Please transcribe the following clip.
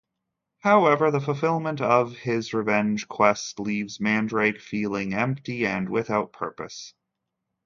However, the fulfillment of his revenge quest leaves Mandrake feeling empty and without purpose.